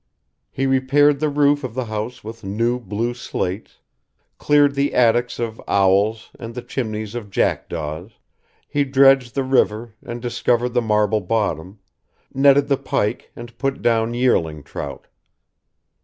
He repaired the roof of the house with new blue slates, cleared the attics of owls and the chimneys of jackdaws; he dredged the river and discovered the marble bottom, netted the pike and put down yearling trout.